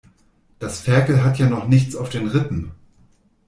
Das Ferkel hat ja noch nichts auf den Rippen.